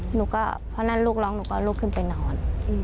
หนูก็เพราะนั่นลูกร้องหนูก็ลุกขึ้นไปนอน